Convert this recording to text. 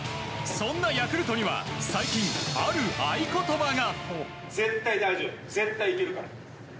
そんなヤクルトには最近、ある合言葉が。